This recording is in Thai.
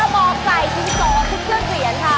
กระบอกใส๔๒คือ๑๐เหรียญค่ะ